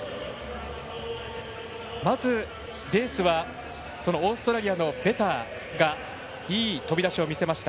まず、レースはオーストラリアのベターがいい飛び出しを見せました。